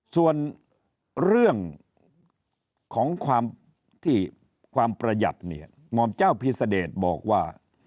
ส่วนเรื่องของความประหยัดหม่อมเจ้าพิสเดชบอกว่า